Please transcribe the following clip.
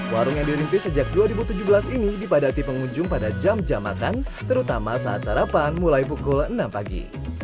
warung yang dirintis sejak dua ribu tujuh belas ini dipadati pengunjung pada jam jam makan terutama saat sarapan mulai pukul enam pagi